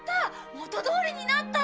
元どおりになった。